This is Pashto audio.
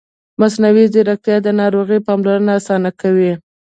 مصنوعي ځیرکتیا د ناروغ پاملرنه اسانه کوي.